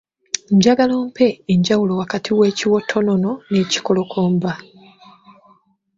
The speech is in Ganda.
Njagala ompe enjawulo wakati w’ekiwottonono n’ekikolokomba